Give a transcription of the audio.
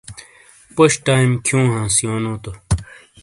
پوش ٹائیم کھیوں ہانس یونو تو